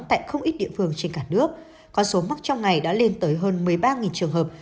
tại không ít địa phương trên cả nước con số mắc trong ngày đã lên tới hơn một mươi ba trường hợp